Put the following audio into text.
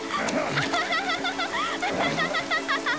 アハハハハハハ！